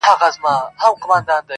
يوه ورځ يو ځوان د کلي له وتلو فکر کوي,